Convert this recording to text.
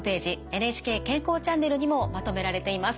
「ＮＨＫ健康チャンネル」にもまとめられています。